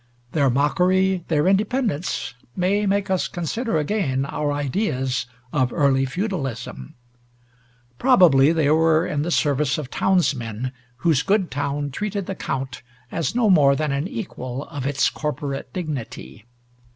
Their mockery, their independence, may make us consider again our ideas of early Feudalism. Probably they were in the service of townsmen, whose good town treated the Count as no more than an equal of its corporate dignity.